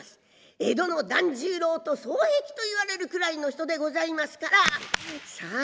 江戸の團十郎と双璧と言われるくらいの人でございますからさあ